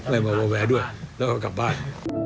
ไม่ว่าแวด้วยแล้วก็กลับบ้าน